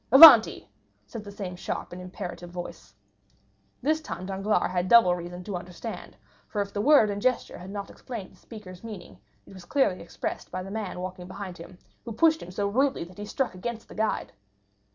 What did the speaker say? "Avanti!" said the same sharp and imperative voice. This time Danglars had double reason to understand, for if the word and gesture had not explained the speaker's meaning, it was clearly expressed by the man walking behind him, who pushed him so rudely that he struck against the guide.